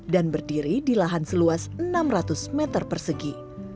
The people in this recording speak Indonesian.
dan berdiri di lahan seluas enam ratus meter persegi